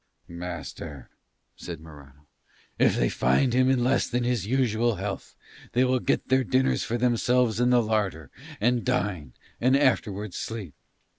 "Master," said Morano, "if they find him in less than his usual health they will get their dinners for themselves in the larder and dine and afterwards sleep.